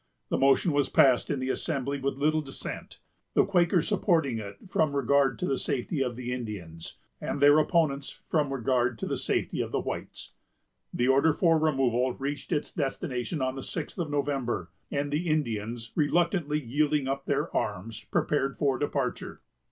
The motion was passed in the Assembly with little dissent; the Quakers supporting it from regard to the safety of the Indians, and their opponents from regard to the safety of the whites. The order for removal reached its destination on the sixth of November; and the Indians, reluctantly yielding up their arms, prepared for departure.